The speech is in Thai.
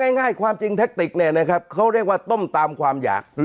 ง่ายความจริงแท็กติกเนี่ยนะครับเขาเรียกว่าต้มตามความอยาก